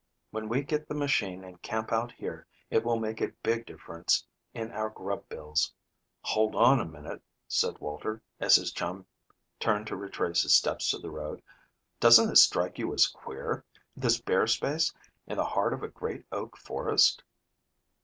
When we get the machine and camp out here, it will make a big difference in our grub bills." "Hold on a minute," said Walter, as his chum turned to retrace his steps to the road. "Doesn't it strike you as queer this bare space in the heart of a great oak forest?"